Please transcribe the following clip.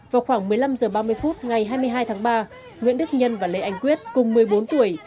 vào khoảng một mươi năm h ba mươi phút ngày hai mươi hai tháng ba nguyễn đức nhân và lê anh quyết cùng một mươi bốn tuổi